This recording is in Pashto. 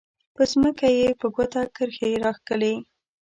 په ځمکه یې په ګوته کرښې راښکلې.